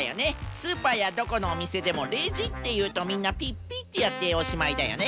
スーパーやどこのおみせでもレジっていうとみんなピッピッてやっておしまいだよね。